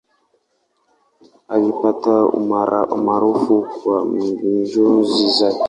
Alipata umaarufu kwa njozi zake.